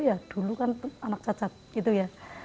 ya dulu kan anak cacat gitu ya